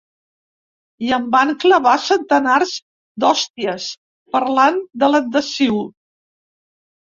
I em van clavar centenars d’hòsties parlant de l’adhesiu.